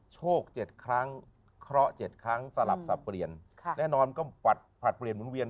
โชค๗ครั้งเคราะห์๗ครั้งสลับสับเปลี่ยนแน่นอนก็ผลัดเปลี่ยนหมุนเวียน